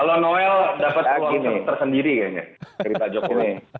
kalau bang noel dapat uang tersendiri kayaknya